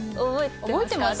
覚えてますか？